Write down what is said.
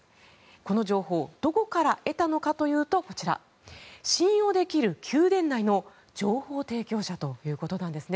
この情報どこから得たのかというと信用できる宮殿内の情報提供者ということです。